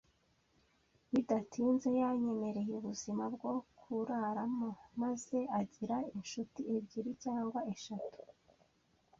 Bidatinze yamenyereye ubuzima bwo kuraramo maze agira inshuti ebyiri cyangwa eshatu.